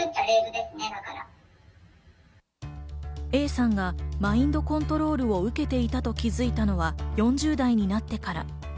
Ａさんがマインドコントロールを受けていたと気づいたのは４０代になってから。